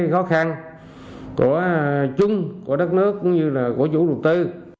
cái khó khăn của chúng của đất nước cũng như là của chủ đầu tư